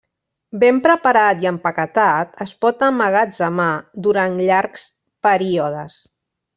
Ben preparat i empaquetat es pot emmagatzemar durant llargs períodes.